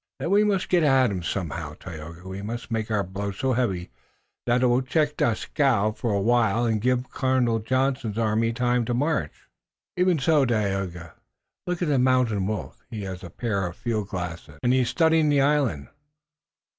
"Then we must get at him somehow, Tayoga. We must make our blow so heavy that it will check Dieskau for a while and give Colonel Johnson's army time to march." "Even so, Dagaeoga. Look at the Mountain Wolf. He has a pair of field glasses and he is studying the island."